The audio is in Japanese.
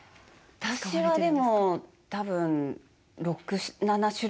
私はでも多分６７種類。